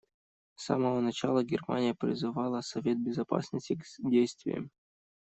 С самого начала Германия призывала Совет Безопасности к действиям.